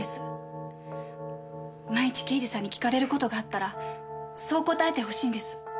万一刑事さんに聞かれる事があったらそう答えてほしいんです。